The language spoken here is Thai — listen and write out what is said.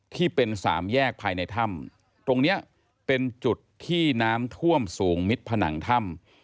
ที่เป็นสามแยกภายในถ้ำตรงเนี้ยเป็นจุดที่น้ำท่วมสูงมิดผนังถ้ำ